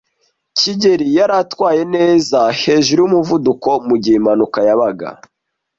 kigeli yari atwaye neza hejuru yumuvuduko mugihe impanuka yabaga.